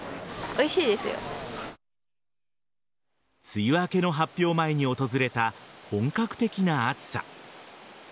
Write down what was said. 梅雨明けの発表前に訪れた本格的な暑さ。